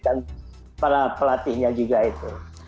dan para pelatihnya juga itu